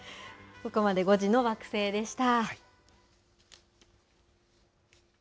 ここまで、５時の惑星でした。